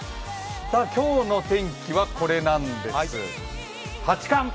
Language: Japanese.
今日の天気はこれなんです、八冠。